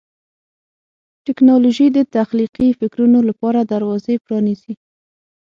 ټیکنالوژي د تخلیقي فکرونو لپاره دروازې پرانیزي.